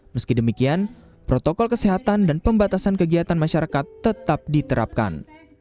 meski demikian protokol kesehatan dan pembatasan kegiatan masyarakat tetap diterapkan